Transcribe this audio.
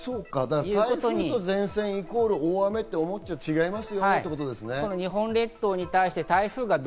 台風と前線イコール大雨と思っちゃ違います